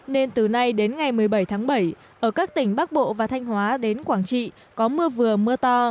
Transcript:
nên từ nay đến ngày một mươi bảy tháng bảy ở các tỉnh bắc bộ và thanh hóa đến quảng trị có mưa vừa mưa to